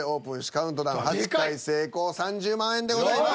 カウントダウン８回成功３０万円でございます。